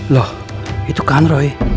loh itu kan roy